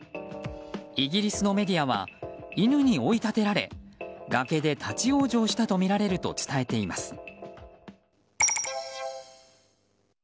イギリスのメディアは犬に追い立てられ崖で立ち往生したとみられると伝えています。